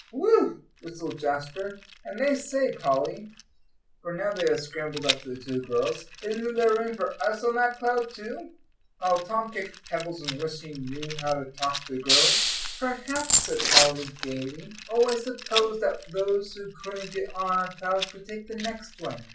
"Whew!" whistled Jasper. "And I say, Polly," for now they had scrambled up to the two girls, "isn't there room for us on that cloud too?" While Tom kicked pebbles, and wished he knew how to talk to girls. "Perhaps," said Polly, gaily. "Oh, I suppose that those who couldn't get on our cloud could take the next one."